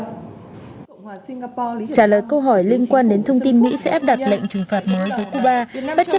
trả lời câu hỏi liên quan đến thông tin mỹ sẽ áp đặt lệnh trừng phạt mối của cuba